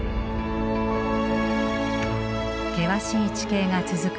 険しい地形が続く